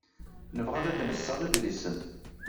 Nebɣa ad d-nseɣ idlisen.